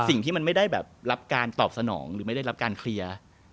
สิ่งที่มันไม่ได้แบบรับการตอบสนองหรือไม่ได้รับการเคลียร์